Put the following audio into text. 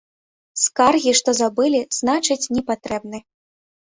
Скаргі, што забылі, значыць, не патрэбны.